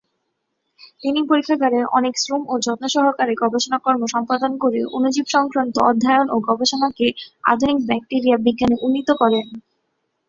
তিনি পরীক্ষাগারে অনেক শ্রম ও যত্ন সহকারে গবেষণাকর্ম সম্পাদন করে অণুজীব-সংক্রান্ত অধ্যয়ন ও গবেষণাকে আধুনিক ব্যাকটেরিয়া বিজ্ঞানে উন্নীত করেন।